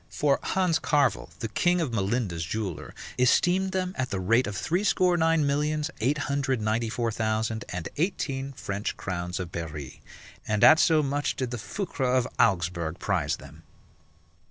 For Hans Carvel, the king of Melinda's jeweller, esteemed them at the rate of threescore nine millions, eight hundred ninety four thousand, and eighteen French crowns of Berry, and at so much did the Foucres of Augsburg prize them.